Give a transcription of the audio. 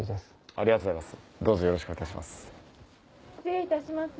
ありがとうございます。